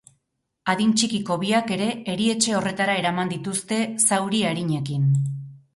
Adin txikiko biak ere erietxe horretara eraman dituzte, zauri arinekin.